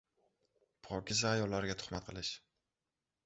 Pokiza ayollarga tuhmat qilish